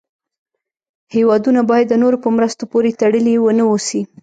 هېوادونه باید د نورو په مرستو پورې تړلې و نه اوسي.